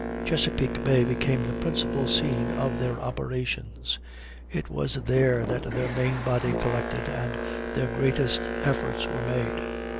Chesapeake Bay became the principal scene of their operations; it was there that their main body collected, and their greatest efforts were made.